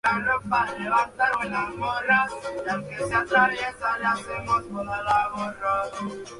Ese mismo año lanzaron el álbum "Fanatic".